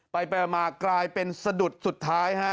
ไปมากลายเป็นสะดุดสุดท้ายฮะ